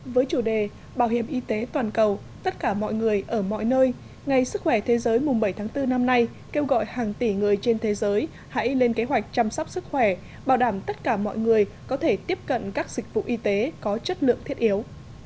với chủ đề bảo hiểm y tế toàn cầu tất cả mọi người ở mọi nơi ngày sức khỏe thế giới mùng bảy tháng bốn năm nay kêu gọi hàng tỷ người trên thế giới hãy lên kế hoạch chăm sóc sức khỏe bảo đảm tất cả mọi người có thể tiếp cận các dịch vụ y tế có chất lượng thiết yếu